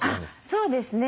そうですね。